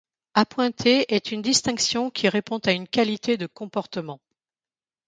Appointé est une distinction qui répond à une qualité de comportement.